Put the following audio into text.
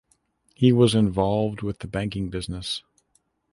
He was involved with the banking business.